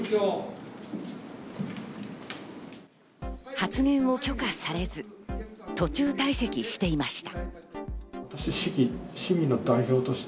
発言を許可されず、途中退席していました。